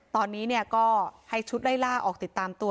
ตอนนี้ก็ให้ชุดไล่ล่าออกติดตามตัว